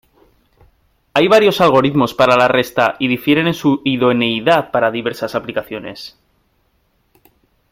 Hay varios algoritmos para la resta, y difieren en su idoneidad para diversas aplicaciones.